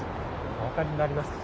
お分かりになりますか？